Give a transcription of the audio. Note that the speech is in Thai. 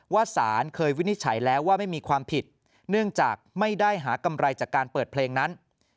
สารเคยวินิจฉัยแล้วว่าไม่มีความผิดเนื่องจากไม่ได้หากำไรจากการเปิดเพลงนั้น